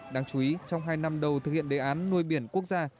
đáng chú ý trong hai năm đầu thực hiện đề án nuôi biển quốc gia